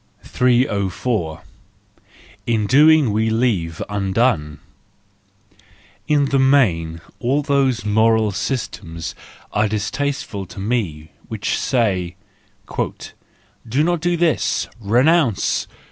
304. In Doing we Leave Undone .—In the main all those moral systems are distasteful to me which say: " Do not do this! Renounce!